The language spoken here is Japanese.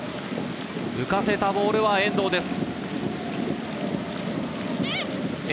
浮かせたボールは遠藤です。